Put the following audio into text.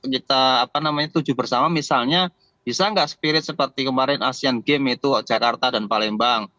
kita tuju bersama misalnya bisa nggak spirit seperti kemarin asean games itu jakarta dan palembang